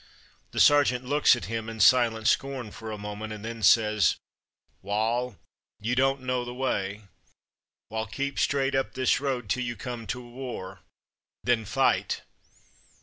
The sergeant looks at him in silent scorn for a moment, and then says, 'Wal, you don't know the way, well keep straight up this road till you come to a war, then fight.'''